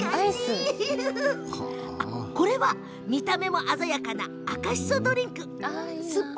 見た目も鮮やかな赤しそドリンク。